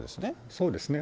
そうですね。